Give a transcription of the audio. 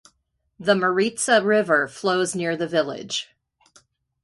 The Maritsa river flows near the village.